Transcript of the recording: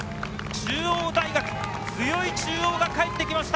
中央大学、強い中央が帰ってきました。